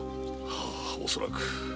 はあ恐らく。